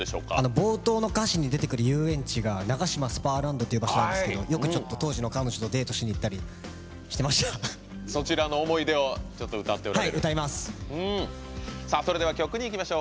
冒頭の歌詞に出てくる遊園地がナガシマスパーランドという場所なんですけどよく当時の彼女とデートをしにいったりそれでは曲にまいりましょう。